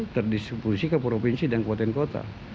terdistribusi ke provinsi dan kota